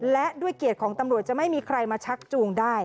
และด้วยเกียรติของตำรวจจะไม่มีใครมาชักจูงได้